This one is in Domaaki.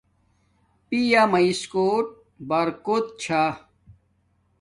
پیامیس کوٹ برکوت چھا